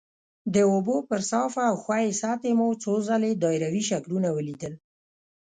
د اوبو پر صافه او ښویې سطحې مو څو ځلې دایروي شکلونه ولیدل.